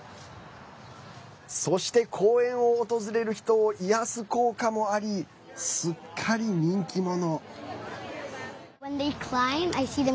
そして、公園を訪れる人を癒やす効果もありすっかり人気者。